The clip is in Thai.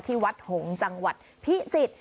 ที่วัดหงษ์จังหวัดพิจิตร